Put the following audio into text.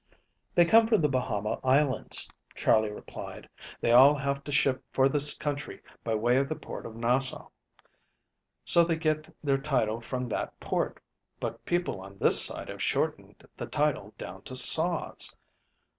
"They come from the Bahama Islands," Charley replied. "They all have to ship for this country by way of the port of Nassau. So they get their title from that port, but people on this side have shortened the title down to 'Saws.'